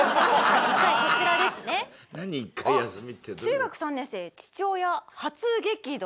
「中学３年生父親初激怒」。